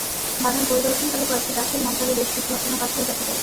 বাগান পরিদর্শনকালে কয়েকটি গাছের মগডালে বেশ কিছু অচেনা পাখিও দেখা যায়।